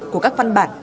của các văn bản